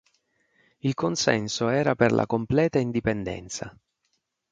Il consenso era per la completa indipendenza.